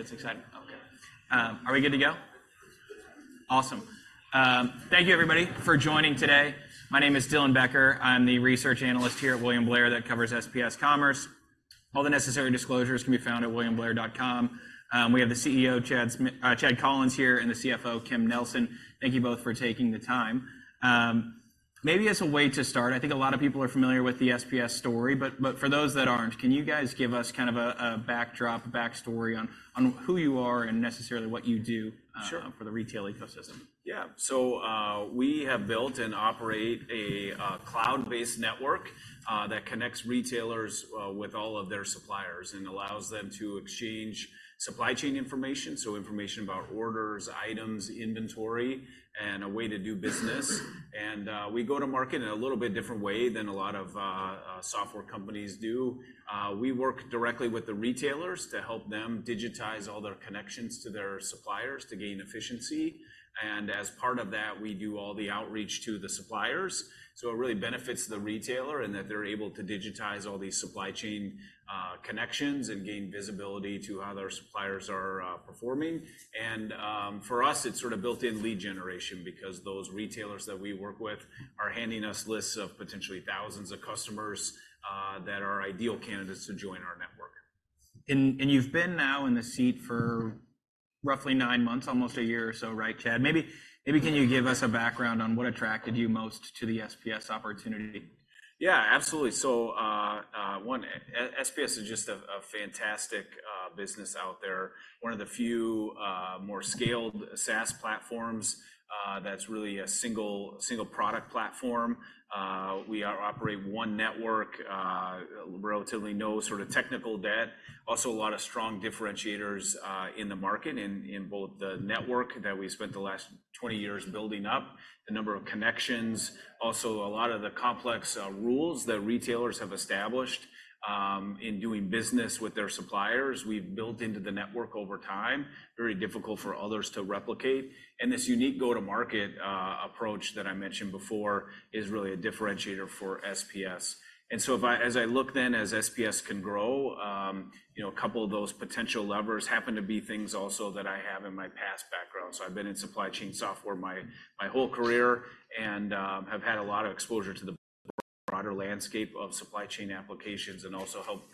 Oh, it's exciting. Okay, are we good to go? Awesome. Thank you everybody for joining today. My name is Dylan Becker. I'm the research analyst here at William Blair, that covers SPS Commerce. All the necessary disclosures can be found at williamblair.com. We have the CEO, Chad Collins here, and the CFO, Kim Nelson. Thank you both for taking the time. Maybe as a way to start, I think a lot of people are familiar with the SPS story, but for those that aren't, can you guys give us kind of a backdrop, a backstory on who you are and necessarily what you do- Sure. - for the retail ecosystem? Yeah. So, we have built and operate a cloud-based network that connects retailers with all of their suppliers and allows them to exchange supply chain information, so information about orders, items, inventory, and a way to do business. And, we go to market in a little bit different way than a lot of software companies do. We work directly with the retailers to help them digitize all their connections to their suppliers to gain efficiency, and as part of that, we do all the outreach to the suppliers. So it really benefits the retailer, in that they're able to digitize all these supply chain connections and gain visibility to how their suppliers are performing. For us, it's sort of built-in lead generation because those retailers that we work with are handing us lists of potentially thousands of customers that are ideal candidates to join our network. And, and you've been now in the seat for roughly nine months, almost a year or so, right, Chad? Maybe, maybe can you give us a background on what attracted you most to the SPS opportunity? Yeah, absolutely. So, SPS is just a fantastic business out there. One of the few more scaled SaaS platforms that's really a single product platform. We are operate one network, relatively no sort of technical debt. Also, a lot of strong differentiators in the market, in both the network that we spent the last 20 years building up, the number of connections. Also, a lot of the complex rules that retailers have established in doing business with their suppliers, we've built into the network over time, very difficult for others to replicate. And this unique go-to-market approach that I mentioned before is really a differentiator for SPS. As I look then, as SPS can grow, you know, a couple of those potential levers happen to be things also that I have in my past background. So I've been in supply chain software my whole career and have had a lot of exposure to the broader landscape of supply chain applications, and also helped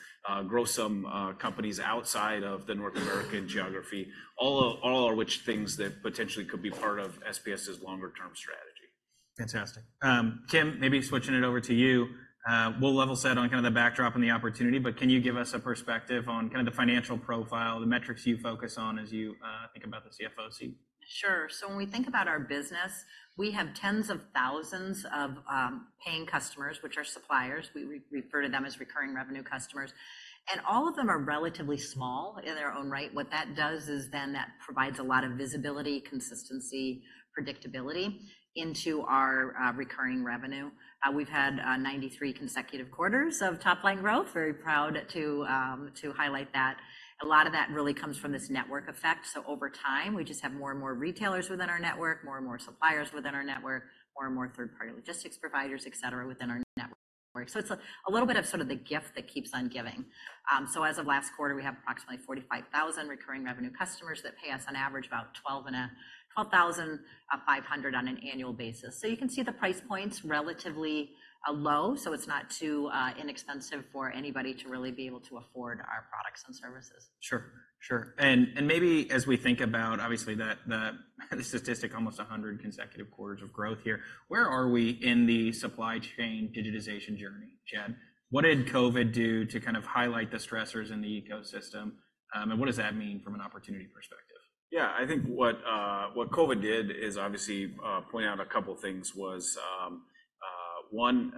grow some companies outside of the North America geography. All of which things that potentially could be part of SPS's longer-term strategy. Fantastic. Kim, maybe switching it over to you, we'll level set on kind of the backdrop and the opportunity, but can you give us a perspective on kind of the financial profile, the metrics you focus on as you think about the CFO seat? Sure. So when we think about our business, we have tens of thousands of paying customers, which are suppliers. We refer to them as recurring revenue customers, and all of them are relatively small in their own right. What that does is then that provides a lot of visibility, consistency, predictability into our recurring revenue. We've had 93 consecutive quarters of top-line growth. Very proud to highlight that. A lot of that really comes from this network effect. So over time, we just have more and more retailers within our network, more and more suppliers within our network, more and more third-party logistics providers, et cetera, within our network. So it's a little bit of sort of the gift that keeps on giving. So as of last quarter, we have approximately 45,000 recurring revenue customers that pay us on average about $12,500 on an annual basis. So you can see the price point's relatively low, so it's not too inexpensive for anybody to really be able to afford our products and services. Sure, sure. And maybe as we think about, obviously, the statistic, almost 100 consecutive quarters of growth here, where are we in the supply chain digitization journey? Chad, what did COVID do to kind of highlight the stressors in the ecosystem, and what does that mean from an opportunity perspective? Yeah, I think what COVID did is obviously point out a couple of things was one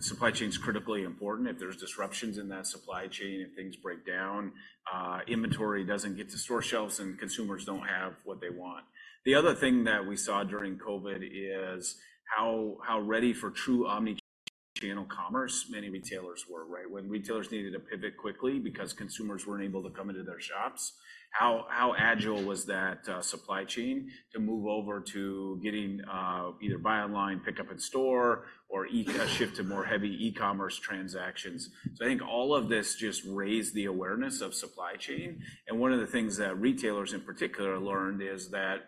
supply chain's critically important. If there's disruptions in that supply chain, if things break down, inventory doesn't get to store shelves, and consumers don't have what they want. The other thing that we saw during COVID is how ready for true omni-channel commerce many retailers were, right? When retailers needed to pivot quickly because consumers weren't able to come into their shops, how agile was that supply chain to move over to getting either buy online, pick up in store, or e- a shift to more heavy e-commerce transactions? So I think all of this just raised the awareness of supply chain, and one of the things that retailers in particular learned is that,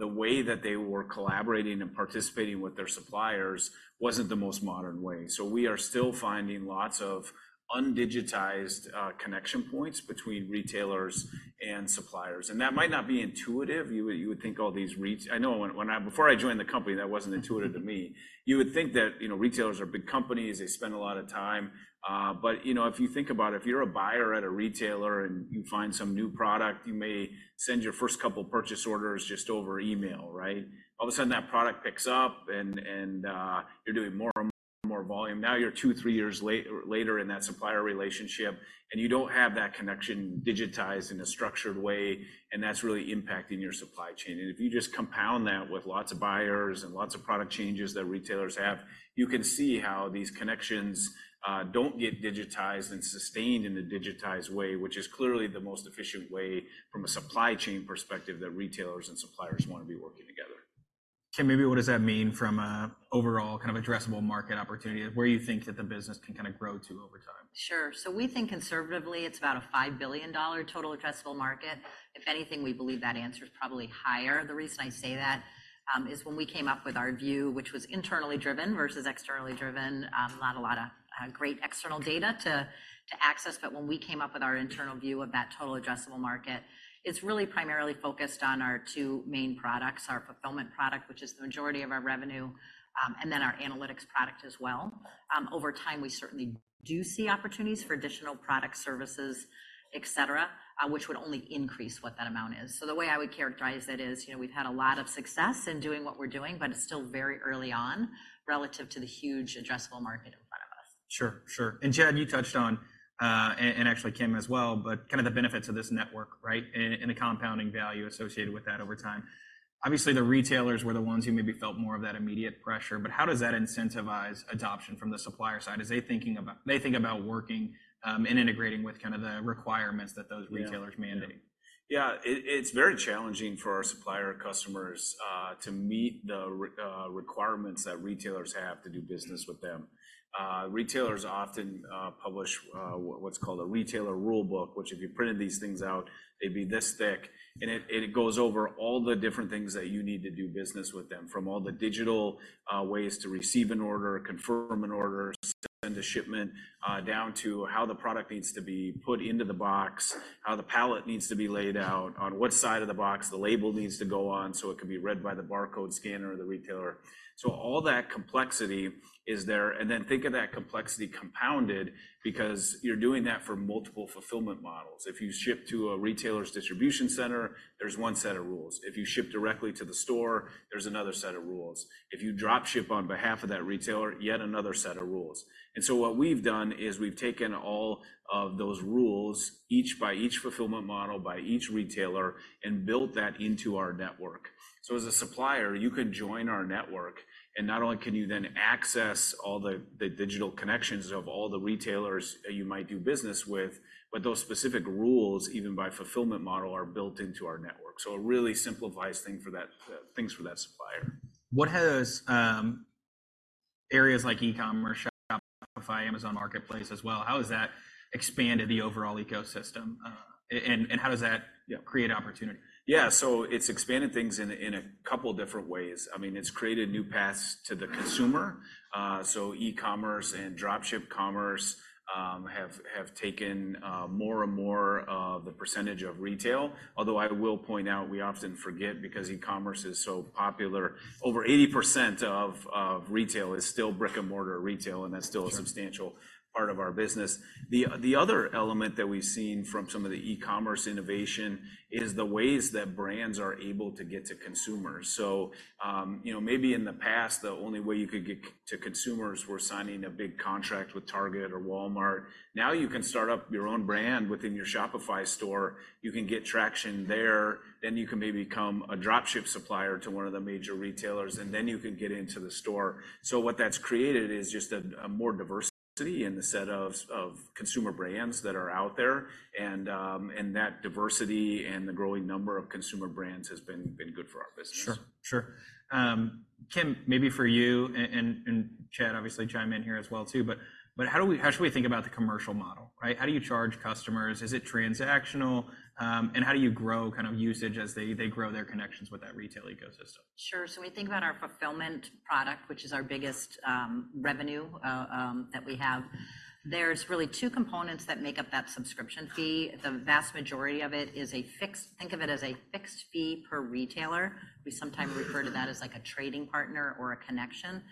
the way that they were collaborating and participating with their suppliers wasn't the most modern way. So we are still finding lots of undigitized, connection points between retailers and suppliers, and that might not be intuitive. You would think all these retailers. I know, before I joined the company, that wasn't intuitive to me. You would think that, you know, retailers are big companies, they spend a lot of time, but, you know, if you think about it, if you're a buyer at a retailer and you find some new product, you may send your first couple purchase orders just over email, right? All of a sudden, that product picks up, and you're doing more and more volume. Now, you're 2-3 years later in that supplier relationship, and you don't have that connection digitized in a structured way, and that's really impacting your supply chain. If you just compound that with lots of buyers and lots of product changes that retailers have, you can see how these connections don't get digitized and sustained in a digitized way, which is clearly the most efficient way from a supply chain perspective that retailers and suppliers wanna be working together. ... Kim, maybe what does that mean from an overall kind of addressable market opportunity? Where you think that the business can kind of grow to over time? Sure. So we think conservatively, it's about a $5 billion total addressable market. If anything, we believe that answer is probably higher. The reason I say that, is when we came up with our view, which was internally driven versus externally driven, not a lot of great external data to access. But when we came up with our internal view of that total addressable market, it's really primarily focused on our two main products: our fulfillment product, which is the majority of our revenue, and then our analytics product as well. Over time, we certainly do see opportunities for additional product services, et cetera, which would only increase what that amount is. The way I would characterize it is, you know, we've had a lot of success in doing what we're doing, but it's still very early on relative to the huge addressable market in front of us. Sure, sure. And Chad, you touched on, and, and actually Kim as well, but kind of the benefits of this network, right? And, and the compounding value associated with that over time. Obviously, the retailers were the ones who maybe felt more of that immediate pressure, but how does that incentivize adoption from the supplier side? Is they thinking about-- they think about working, and integrating with kind of the requirements that those- Yeah... retailers mandate? Yeah, it's very challenging for our supplier customers to meet the requirements that retailers have to do business with them. Retailers often publish what's called a Retailer Rule Book, which if you printed these things out, they'd be this thick. And it goes over all the different things that you need to do business with them, from all the digital ways to receive an order, confirm an order, send a shipment, down to how the product needs to be put into the box, how the pallet needs to be laid out, on what side of the box the label needs to go on, so it can be read by the barcode scanner or the retailer. So all that complexity is there. And then think of that complexity compounded because you're doing that for multiple fulfillment models. If you ship to a retailer's distribution center, there's one set of rules. If you ship directly to the store, there's another set of rules. If you drop ship on behalf of that retailer, yet another set of rules. And so what we've done is we've taken all of those rules, each by each fulfillment model, by each retailer, and built that into our network. So as a supplier, you can join our network, and not only can you then access all the digital connections of all the retailers you might do business with, but those specific rules, even by fulfillment model, are built into our network. So it really simplifies things for that supplier. What has areas like e-commerce, Shopify, Amazon Marketplace as well, how has that expanded the overall ecosystem? And how does that- Yeah... create opportunity? Yeah, so it's expanded things in a couple different ways. I mean, it's created new paths to the consumer. So e-commerce and drop ship commerce have taken more and more of the percentage of retail. Although I will point out, we often forget, because e-commerce is so popular, over 80% of retail is still brick-and-mortar retail, and that's still- Sure... a substantial part of our business. The other element that we've seen from some of the e-commerce innovation is the ways that brands are able to get to consumers. So, you know, maybe in the past, the only way you could get to consumers were signing a big contract with Target or Walmart. Now, you can start up your own brand within your Shopify store. You can get traction there, then you can maybe become a drop ship supplier to one of the major retailers, and then you can get into the store. So what that's created is just a more diversity in the set of consumer brands that are out there, and that diversity and the growing number of consumer brands has been good for our business. Sure, sure. Kim, maybe for you, and Chad, obviously chime in here as well too, but how do we, how should we think about the commercial model, right? How do you charge customers? Is it transactional? And how do you grow kind of usage as they grow their connections with that retail ecosystem? Sure. So we think about our fulfillment product, which is our biggest revenue that we have. There's really two components that make up that subscription fee. The vast majority of it is a fixed, think of it as a fixed fee per retailer. We sometimes refer to that as like a trading partner or a connection. So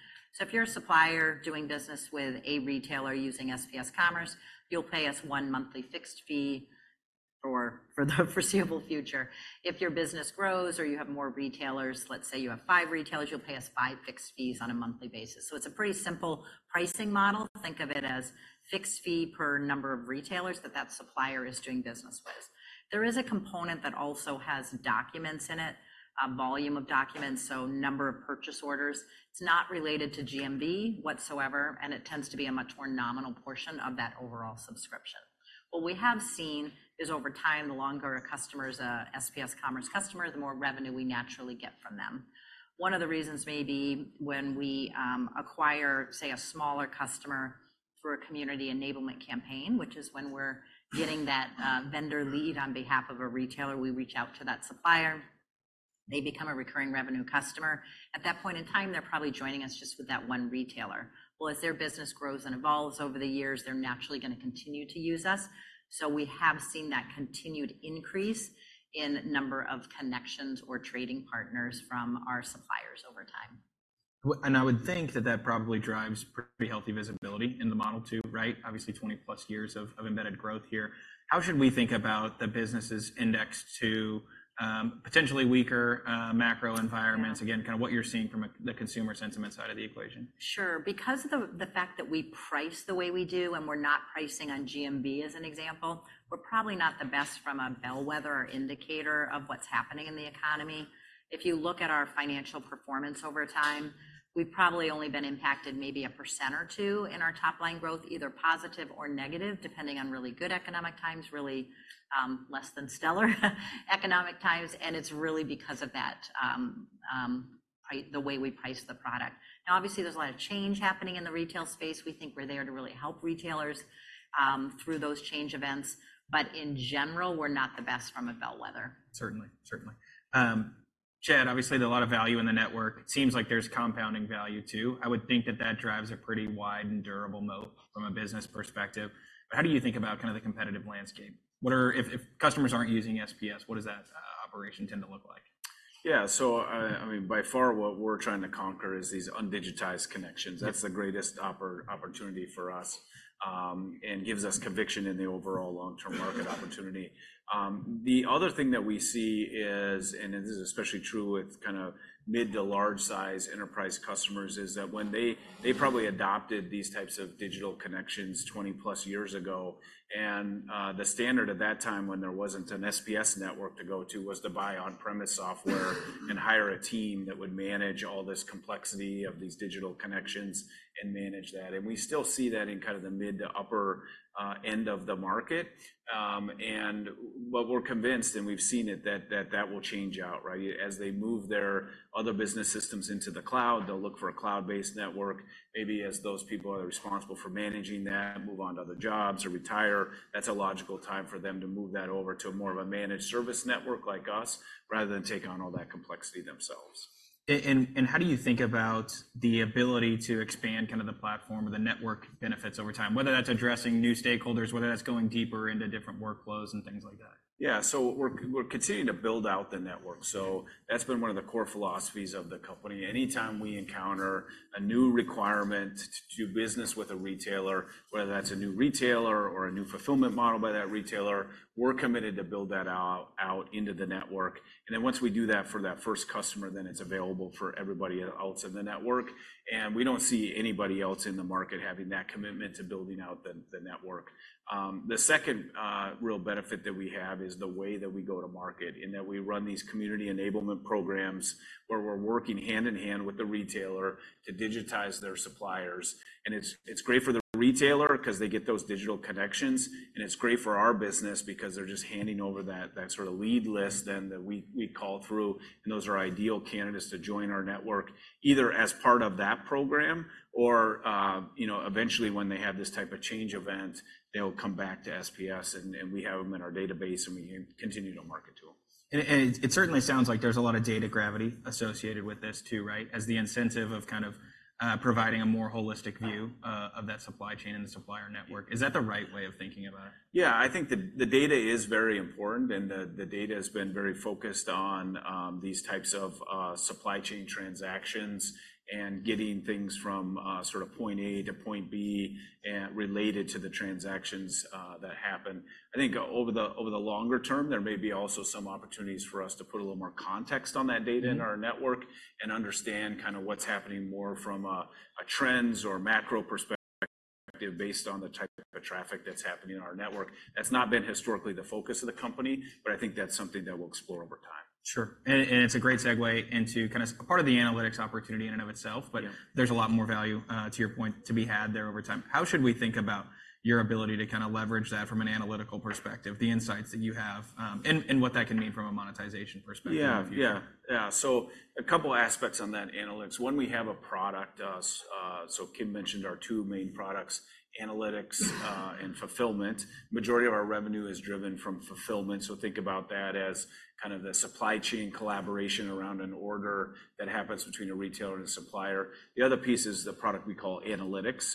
if you're a supplier doing business with a retailer using SPS Commerce, you'll pay us one monthly fixed fee for the foreseeable future. If your business grows or you have more retailers, let's say you have five retailers, you'll pay us five fixed fees on a monthly basis. So it's a pretty simple pricing model. Think of it as fixed fee per number of retailers that that supplier is doing business with. There is a component that also has documents in it, a volume of documents, so number of purchase orders. It's not related to GMV whatsoever, and it tends to be a much more nominal portion of that overall subscription. What we have seen is over time, the longer a customer is a SPS Commerce customer, the more revenue we naturally get from them. One of the reasons may be when we acquire, say, a smaller customer through a Community Enablement campaign, which is when we're getting that vendor lead on behalf of a retailer, we reach out to that supplier, they become a recurring revenue customer. At that point in time, they're probably joining us just with that one retailer. Well, as their business grows and evolves over the years, they're naturally gonna continue to use us. We have seen that continued increase in number of connections or trading partners from our suppliers over time. Well, and I would think that that probably drives pretty healthy visibility in the model, too, right? Obviously, 20+ years of embedded growth here. How should we think about the business's index to potentially weaker macro environments? Again, kind of what you're seeing from the consumer sentiment side of the equation. Sure. Because of the fact that we price the way we do and we're not pricing on GMV, as an example, we're probably not the best from a bellwether or indicator of what's happening in the economy. If you look at our financial performance over time, we've probably only been impacted maybe 1% or 2% in our top line growth, either positive or negative, depending on really good economic times, really, less than stellar, economic times, and it's really because of that, the way we price the product. Now, obviously, there's a lot of change happening in the retail space. We think we're there to really help retailers, through those change events. But in general, we're not the best from a bellwether. Certainly. Certainly. Chad, obviously, there's a lot of value in the network. It seems like there's compounding value, too. I would think that that drives a pretty wide and durable moat from a business perspective. But how do you think about kind of the competitive landscape? What if, if customers aren't using SPS, what does that operation tend to look like? Yeah, so, I mean, by far, what we're trying to conquer is these undigitized connections. That's the greatest opportunity for us, and gives us conviction in the overall long-term market opportunity. The other thing that we see is, and this is especially true with kind of mid- to large-size enterprise customers, is that when they probably adopted these types of digital connections 20+ years ago, and the standard at that time, when there wasn't an SPS network to go to, was to buy on-premise software and hire a team that would manage all this complexity of these digital connections and manage that. We still see that in kind of the mid- to upper end of the market. But we're convinced, and we've seen it, that it will change out, right? As they move their other business systems into the cloud, they'll look for a cloud-based network. Maybe as those people are responsible for managing that, move on to other jobs or retire, that's a logical time for them to move that over to more of a managed service network like us, rather than taking on all that complexity themselves. How do you think about the ability to expand kind of the platform or the network benefits over time, whether that's addressing new stakeholders, whether that's going deeper into different workflows and things like that? Yeah, so we're continuing to build out the network, so that's been one of the core philosophies of the company. Anytime we encounter a new requirement to do business with a retailer, whether that's a new retailer or a new fulfillment model by that retailer, we're committed to build that out into the network, and then once we do that for that first customer, then it's available for everybody else in the network, and we don't see anybody else in the market having that commitment to building out the network. The second real benefit that we have is the way that we go to market, in that we run these community enablement programs, where we're working hand in hand with the retailer to digitize their suppliers. And it's great for the retailer 'cause they get those digital connections, and it's great for our business because they're just handing over that sort of lead list then that we call through, and those are ideal candidates to join our network, either as part of that program or, you know, eventually when they have this type of change event, they'll come back to SPS, and we have them in our database, and we continue to market to them. It certainly sounds like there's a lot of data gravity associated with this too, right? As the incentive of kind of providing a more holistic view- Yeah... of that supply chain and the supplier network. Is that the right way of thinking about it? Yeah, I think the data is very important, and the data has been very focused on these types of supply chain transactions and getting things from sort of point A to point B, and related to the transactions that happen. I think over the longer term, there may be also some opportunities for us to put a little more context on that data- Mm... in our network and understand kind of what's happening more from a trends or macro perspective based on the type of traffic that's happening in our network. That's not been historically the focus of the company, but I think that's something that we'll explore over time. Sure. It's a great segue into kind of part of the analytics opportunity in and of itself- Yeah... but there's a lot more value, to your point, to be had there over time. How should we think about your ability to kind of leverage that from an analytical perspective, the insights that you have, and, and what that can mean from a monetization perspective in the future? Yeah. Yeah, yeah. So a couple aspects on that analytics. One, we have a product, so Kim mentioned our two main products, analytics, and fulfillment. Majority of our revenue is driven from fulfillment, so think about that as kind of the supply chain collaboration around an order that happens between a retailer and a supplier. The other piece is the product we call analytics.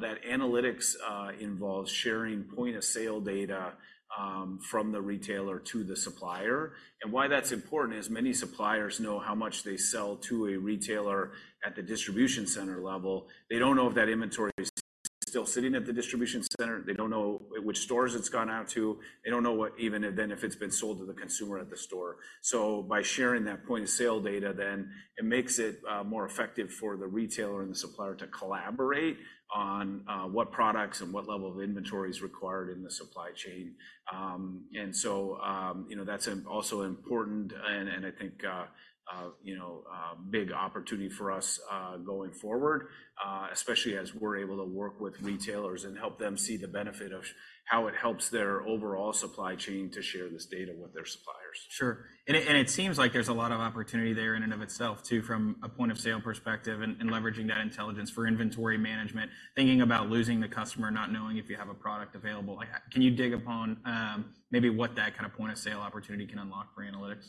That analytics involves sharing point-of-sale data from the retailer to the supplier. And why that's important is many suppliers know how much they sell to a retailer at the distribution center level. They don't know if that inventory is still sitting at the distribution center. They don't know which stores it's gone out to. They don't know what even, and then if it's been sold to the consumer at the store. So by sharing that point-of-sale data, then it makes it more effective for the retailer and the supplier to collaborate on what products and what level of inventory is required in the supply chain. And so, you know, that's also important and I think, you know, a big opportunity for us going forward, especially as we're able to work with retailers and help them see the benefit of how it helps their overall supply chain to share this data with their suppliers. Sure. And it seems like there's a lot of opportunity there in and of itself, too, from a point-of-sale perspective and leveraging that intelligence for inventory management, thinking about losing the customer, not knowing if you have a product available. Can you dig into, maybe what that kind of point-of-sale opportunity can unlock for analytics?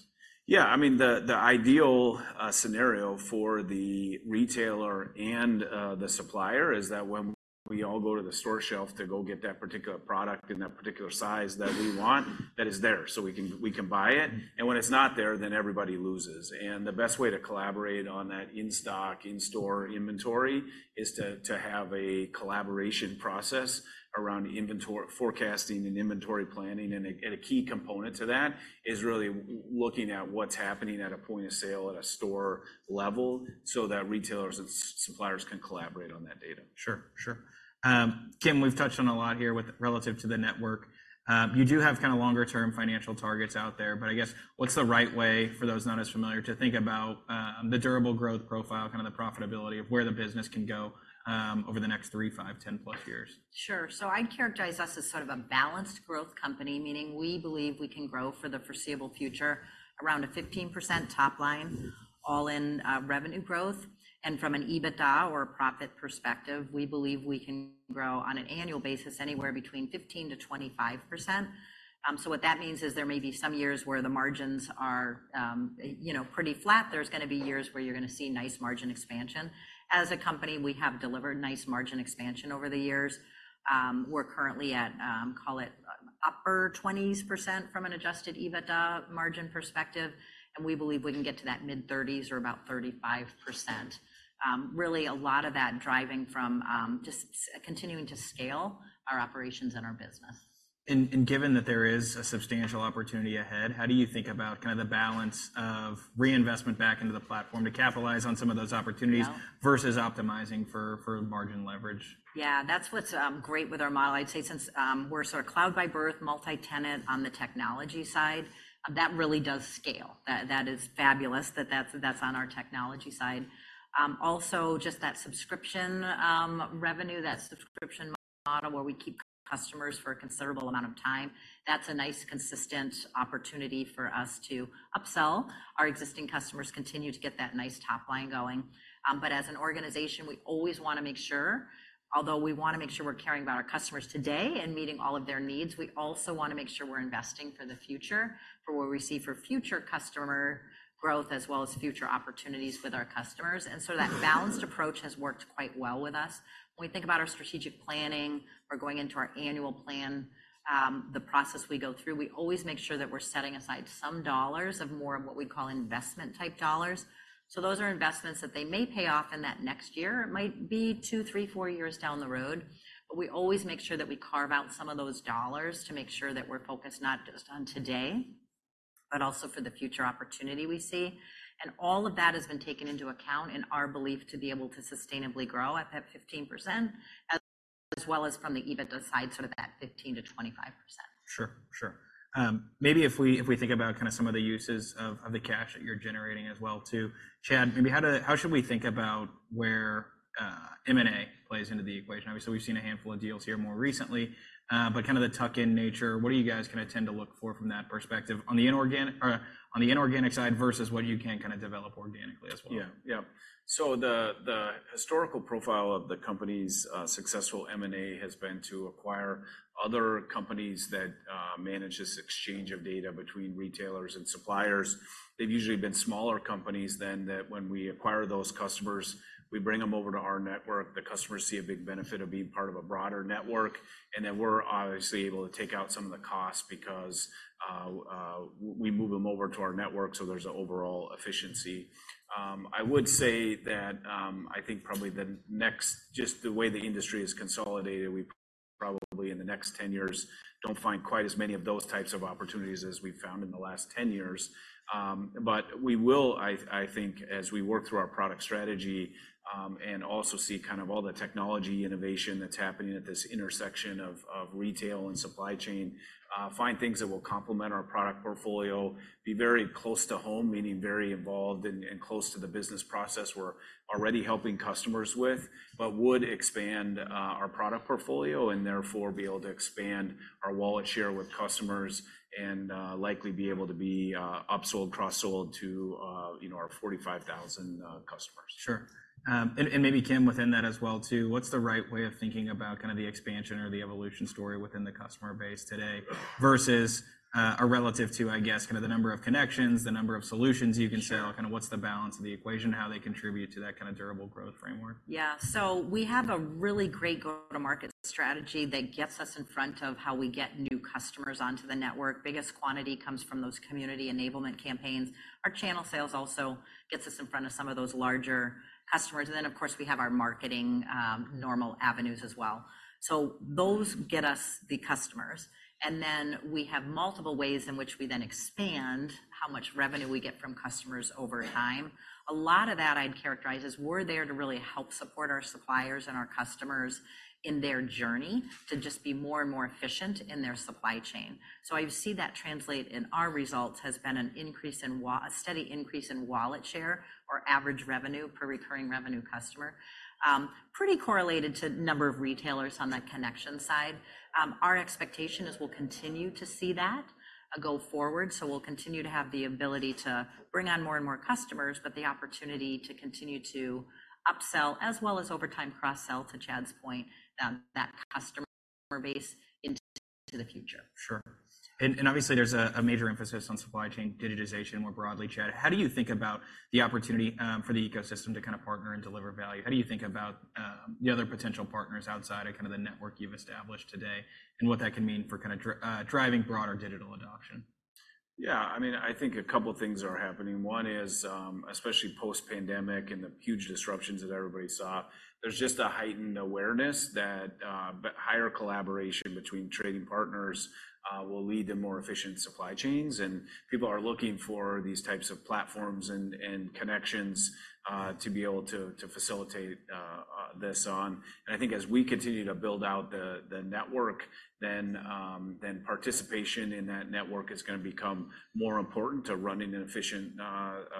Yeah, I mean, the ideal scenario for the retailer and the supplier is that when we all go to the store shelf to go get that particular product in that particular size that we want, that it's there, so we can, we can buy it, and when it's not there, then everybody loses. The best way to collaborate on that in-stock, in-store inventory is to have a collaboration process around inventory forecasting and inventory planning, and a key component to that is really looking at what's happening at a point of sale at a store level, so that retailers and suppliers can collaborate on that data. Sure, sure. Kim, we've touched on a lot here with regard to the network. You do have kind of longer term financial targets out there, but I guess, what's the right way for those not as familiar to think about the durable growth profile, kind of the profitability of where the business can go over the next 3, 5, 10+ years? Sure. So I'd characterize us as sort of a balanced growth company, meaning we believe we can grow for the foreseeable future, around a 15% top line, all in, revenue growth. And from an EBITDA or a profit perspective, we believe we can grow on an annual basis anywhere between 15%-25%. So what that means is there may be some years where the margins are, you know, pretty flat. There's gonna be years where you're gonna see nice margin expansion. As a company, we have delivered nice margin expansion over the years. We're currently at, call it, upper 20s% from an adjusted EBITDA margin perspective, and we believe we can get to that mid-30s or about 35%. Really a lot of that driving from just continuing to scale our operations and our business. Given that there is a substantial opportunity ahead, how do you think about kind of the balance of reinvestment back into the platform to capitalize on some of those opportunities? Yeah... versus optimizing for margin leverage? Yeah, that's what's great with our model. I'd say since we're sort of cloud by birth, multi-tenant on the technology side, that really does scale. That is fabulous that that's on our technology side. Also, just that subscription revenue, that subscription model, where we keep customers for a considerable amount of time, that's a nice, consistent opportunity for us to upsell our existing customers, continue to get that nice top line going. But as an organization, we always want to make sure, although we want to make sure we're caring about our customers today and meeting all of their needs, we also want to make sure we're investing for the future, for what we see for future customer growth, as well as future opportunities with our customers. And so that balanced approach has worked quite well with us. When we think about our strategic planning or going into our annual plan, the process we go through, we always make sure that we're setting aside some dollars of more of what we call investment-type dollars. Those are investments that they may pay off in that next year. It might be 2, 3, 4 years down the road, but we always make sure that we carve out some of those dollars to make sure that we're focused not just on today, but also for the future opportunity we see. All of that has been taken into account in our belief to be able to sustainably grow at that 15%, as well as from the EBITDA side, sort of that 15%-25%. Sure, sure. Maybe if we, if we think about kind of some of the uses of, of the cash that you're generating as well too, Chad, maybe how should we think about where M&A plays into the equation? Obviously, we've seen a handful of deals here more recently, but kind of the tuck-in nature, what do you guys kind of tend to look for from that perspective on the inorganic side versus what you can kind of develop organically as well? Yeah, yeah. So the historical profile of the company's successful M&A has been to acquire other companies that manage this exchange of data between retailers and suppliers. They've usually been smaller companies than that. When we acquire those customers, we bring them over to our network. The customers see a big benefit of being part of a broader network, and then we're obviously able to take out some of the costs because we move them over to our network, so there's an overall efficiency. I would say that I think probably the next—just the way the industry is consolidated, we probably in the next 10 years don't find quite as many of those types of opportunities as we've found in the last 10 years. But we will, I think, as we work through our product strategy, and also see kind of all the technology innovation that's happening at this intersection of retail and supply chain, find things that will complement our product portfolio, be very close to home, meaning very involved and close to the business process we're already helping customers with, but would expand our product portfolio and therefore be able to expand our wallet share with customers and likely be able to be upsold, cross-sold to, you know, our 45,000 customers. Sure. And maybe Kim, within that as well too, what's the right way of thinking about kind of the expansion or the evolution story within the customer base today versus, or relative to, I guess, kind of the number of connections, the number of solutions you can sell- Sure. Kind of what's the balance of the equation, how they contribute to that kind of durable growth framework? Yeah. So we have a really great go-to-market strategy that gets us in front of how we get new customers onto the network. Biggest quantity comes from those community enablement campaigns. Our channel sales also gets us in front of some of those larger customers. And then, of course, we have our marketing, normal avenues as well. So those get us the customers, and then we have multiple ways in which we then expand how much revenue we get from customers over time. A lot of that I'd characterize is we're there to really help support our suppliers and our customers in their journey to just be more and more efficient in their supply chain. So I see that translate in our results has been an increase in wallet share or average revenue per recurring revenue customer. Pretty correlated to number of retailers on the connection side. Our expectation is we'll continue to see that go forward, so we'll continue to have the ability to bring on more and more customers, but the opportunity to continue to upsell as well as over time cross-sell, to Chad's point, that customer base into the future. Sure. And obviously, there's a major emphasis on supply chain digitization more broadly. Chad, how do you think about the opportunity for the ecosystem to kind of partner and deliver value? How do you think about the other potential partners outside of kind of the network you've established today, and what that can mean for kind of driving broader digital adoption? ...Yeah, I mean, I think a couple of things are happening. One is, especially post-pandemic and the huge disruptions that everybody saw, there's just a heightened awareness that but higher collaboration between trading partners will lead to more efficient supply chains, and people are looking for these types of platforms and connections to be able to facilitate this on. And I think as we continue to build out the network, then participation in that network is gonna become more important to running an efficient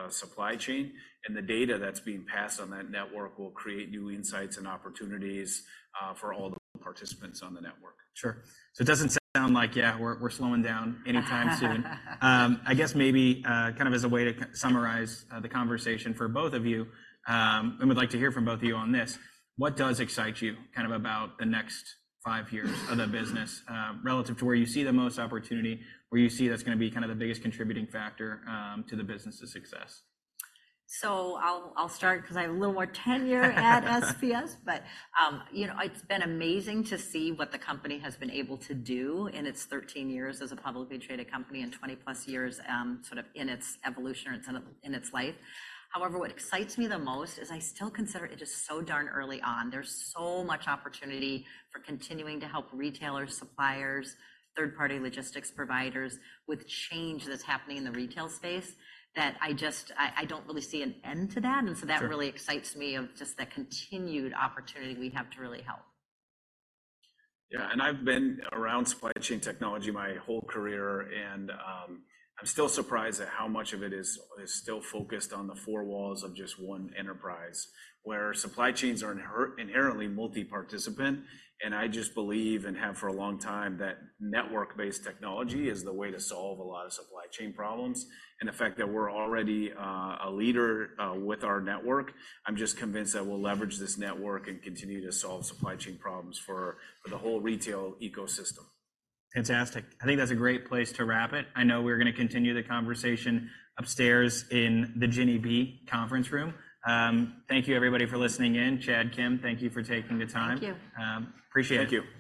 supply chain, and the data that's being passed on that network will create new insights and opportunities for all the participants on the network. Sure. So it doesn't sound like, yeah, we're slowing down anytime soon. I guess maybe kind of as a way to summarize the conversation for both of you, and we'd like to hear from both of you on this: what does excite you kind of about the next five years of the business, relative to where you see the most opportunity, where you see that's gonna be kinda the biggest contributing factor to the business's success? So I'll start 'cause I have a little more tenure at SPS, but, you know, it's been amazing to see what the company has been able to do in its 13 years as a publicly traded company and 20-plus years, sort of in its evolution or in its life. However, what excites me the most is I still consider it just so darn early on. There's so much opportunity for continuing to help retailers, suppliers, third-party logistics providers with change that's happening in the retail space, that I just don't really see an end to that. Sure. And so that really excites me of just the continued opportunity we have to really help. Yeah, and I've been around supply chain technology my whole career, and I'm still surprised at how much of it is still focused on the four walls of just one enterprise, where supply chains are inherently multi-participant, and I just believe, and have for a long time, that network-based technology is the way to solve a lot of supply chain problems. And the fact that we're already a leader with our network, I'm just convinced that we'll leverage this network and continue to solve supply chain problems for the whole retail ecosystem. Fantastic. I think that's a great place to wrap it. I know we're gonna continue the conversation upstairs in the Jenney B conference room. Thank you, everybody, for listening in. Chad, Kim, thank you for taking the time. Thank you. Appreciate it. Thank you.